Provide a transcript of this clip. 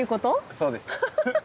そうです。